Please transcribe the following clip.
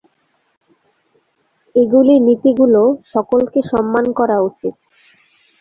এগুলি নীতিগুলি সকলকে সম্মান করা উচিত।